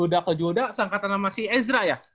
kejuda kejuda seangkatan sama si ezra ya